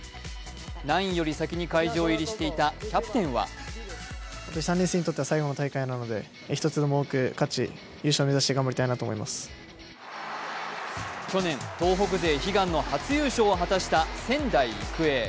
ナインより先に会場入りしていたキャプテンは去年、東北勢悲願の初優勝を果たした仙台育英。